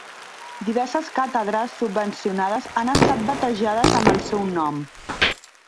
Diverses càtedres subvencionades han estat batejades amb el seu nom.